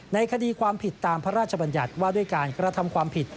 ในคดีความผิดตามพระราชบัญญัติว่าด้วยการกระทำความผิด